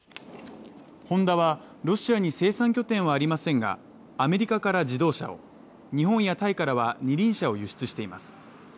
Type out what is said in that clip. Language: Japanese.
ホンダはロシアに生産拠点はありませんが、アメリカから自動車を、日本やタイからは二輪車を輸出しています。